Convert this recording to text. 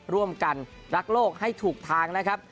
ร่วมกันรักโลกให้ถูกทางนะครับ